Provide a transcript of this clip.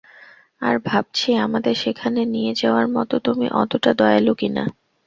আর ভাবছি আমাদের সেখানে নিয়ে যাওয়ার মতো তুমি অতটা দয়ালু কিনা!